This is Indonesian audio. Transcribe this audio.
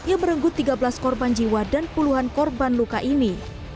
yang merenggut tiga belas korban jiwa dan puluhan korban luka ini